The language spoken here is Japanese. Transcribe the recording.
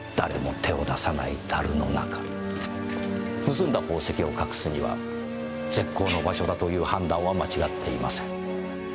盗んだ宝石を隠すには絶好の場所だという判断は間違っていません。